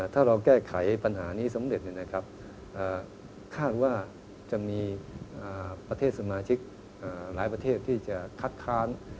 ถ้าเราแก้ไขปัญหานี้สำเร็จคาดว่าจะมีประเทศสมาชิกหลายประเทศที่จะคัดค้าน